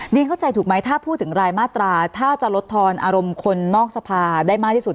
เข้าใจถูกไหมถ้าพูดถึงรายมาตราถ้าจะลดทอนอารมณ์คนนอกสภาได้มากที่สุด